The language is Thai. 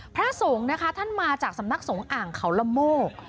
พระสงฆ์นะคะท่านมาจากสำนักสงฆ์อ่างเขาละโมก